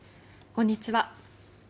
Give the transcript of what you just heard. こんにちは。